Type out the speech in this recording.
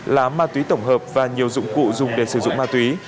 là ma túy tổng hợp và nhiều dụng cụ dùng để sử dụng ma túy